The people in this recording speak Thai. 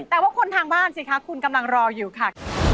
แต่ว่าคนทางบ้านสิคะคุณกำลังรออยู่ค่ะ